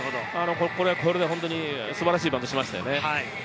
これはこれで素晴らしいバントをしましたよね。